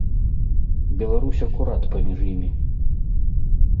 Беларусь акурат паміж імі.